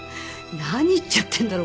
何言っちゃってんだろう？